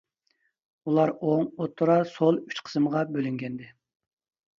ئۇلار ئوڭ، ئوتتۇرا، سول ئۈچ قىسىمغا بۆلۈنگەنىدى.